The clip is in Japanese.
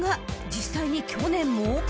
［実際に去年も］